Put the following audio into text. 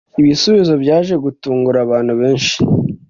Ibisubizo byaje gutungura abantu benshi.